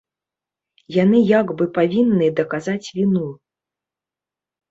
Яны як бы павінны даказаць віну.